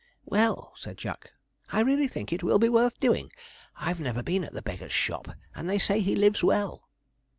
'Well,' said Jack, 'I really think it will be worth doing. I've never been at the beggar's shop, and they say he lives well.'